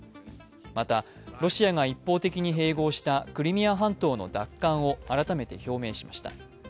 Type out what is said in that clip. またロシアが一方的に併合したクリミア半島の奪還を改めて表明しました。